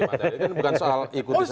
itu bukan soal ikuti saja